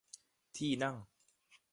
ที่นั่ง